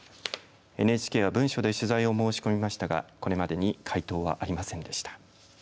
ＮＨＫは文書で取材を申し込みましたがこれまでに回答はありませんでした。